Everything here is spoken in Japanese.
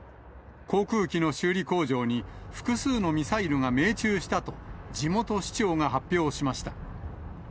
航空機の修理工場に複数のミサイルが命中したと、地元市長が発表しました。